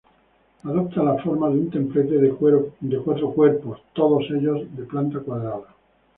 Adopta la forma de un templete de cuatro cuerpos, todos ellos de planta cuadrada.